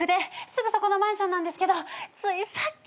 すぐそこのマンションなんですけどついさっきです！